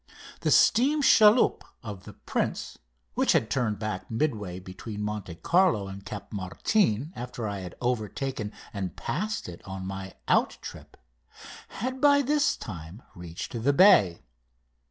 The steam chaloupe of the prince, which had turned back midway between Monte Carlo and Cap Martin after I had overtaken and passed it on my out trip, had by this time reached the bay.